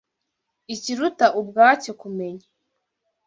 Ikiruta ubwacyo kumenya